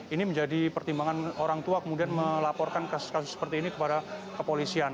ini menjadi pertimbangan orang tua kemudian melaporkan kasus kasus seperti ini kepada kepolisian